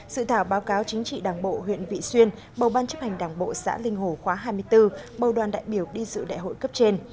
sự thảo báo cáo chính trị đảng bộ huyện vị xuyên bầu ban chấp hành đảng bộ xã linh hồ khóa hai mươi bốn bầu đoàn đại biểu đi dự đại hội cấp trên